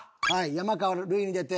山川塁に出て。